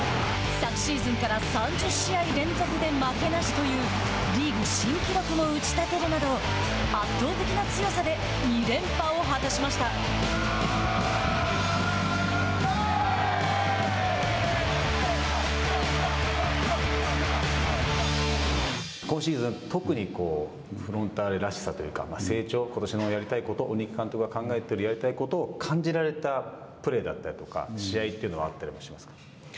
昨シーズンから３０試合連続で負けなしというリーグ新記録も打ち立てるなど圧倒的な強さで今シーズン、特にフロンターレらしさというか、成長ことしのやりたいこと鬼木監督が考えているやりたいことを感じられたプレーだったりとか、試合というのはあったりしますか。